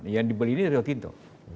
yang dibeli ini rio kinto